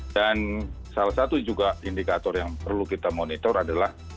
dan salah satu juga indikator yang perlu kita monitor adalah